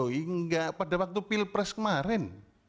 hingga pada waktu pilpres kemarin